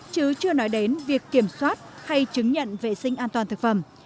chứ chưa nói đến việc kiểm soát hay chứng nhận vệ sinh an toàn thực phẩm